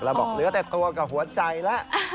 แล้วบอกเหลือแต่ตัวกับหัวใจแล้ว